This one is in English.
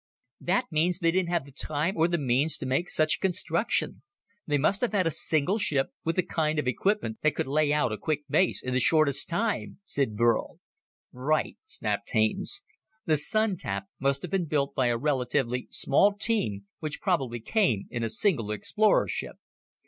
"That means they didn't have the time or the means to make such a construction. They must have had a single ship with the kind of equipment that could lay out a quick base in the shortest time!" said Burl. "Right!" snapped Haines. "The Sun tap must have been built by a relatively small team, which probably came in a single explorer ship.